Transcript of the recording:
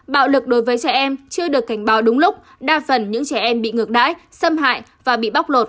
bạo lực đối với trẻ em chưa được cảnh báo đúng lúc đa phần những trẻ em bị ngược đãi xâm hại và bị bóc lột